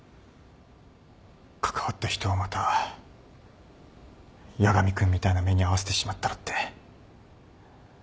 関わった人をまた八神君みたいな目に遭わせてしまったらって。